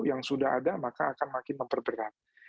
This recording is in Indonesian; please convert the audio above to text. yang sudah ada maka akan makin memperberat